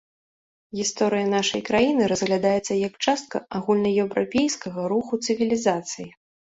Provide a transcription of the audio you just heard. Гісторыя нашай краіны разглядаецца як частка агульнаеўрапейскага руху цывілізацыі.